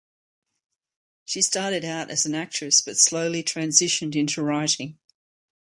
She started out as an actress but slowly transitioned into writing.